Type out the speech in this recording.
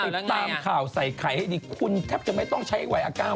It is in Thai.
ติดตามข่าวใส่ไข่ให้ดีคุณแทบจะไม่ต้องใช้วัยอาการ